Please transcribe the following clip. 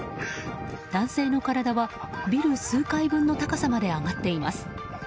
男性の体はビル数階分の高さまで上がっています。